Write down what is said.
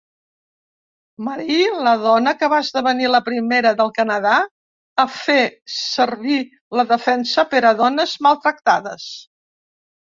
Marie, la dona que va esdevenir la primera del Canadà a fer servir la defensa per a dones maltractades.